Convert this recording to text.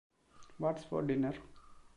What's for Dinner?